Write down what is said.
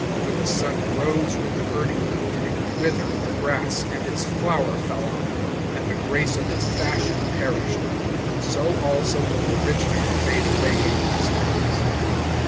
(11)For the sun rose with the burning heat, and withered the grass, and its flower fell off, and the grace of its fashion perished; so also will the rich man fade away in his ways.